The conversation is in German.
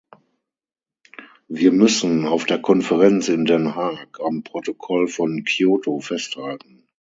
Wir müssen auf der Konferenz in Den Haag am Protokoll von Kyoto festhalten.